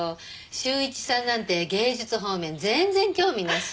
柊一さんなんて芸術方面全然興味ないし。